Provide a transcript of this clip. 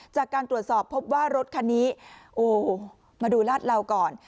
จากการตรวจสอบพบว่ารถคันนี้โอ้มาดูลาดเหลาก่อน